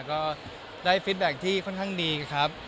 ก็ได้ฟิตแบ็คที่ค่อนข้างดีครับ